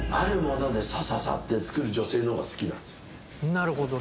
なるほどね。